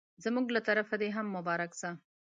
زموږ له طرفه دي هم مبارک سه